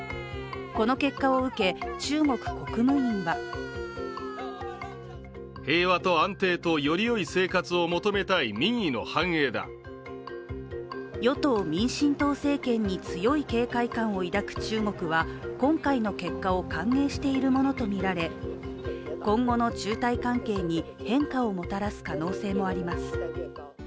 この結果を受け、中国国務院は与党・民進党政権に強い警戒感を抱く中国は今回の結果を歓迎しているものとみられ今後の中台関係に変化をもたらす可能性もあります。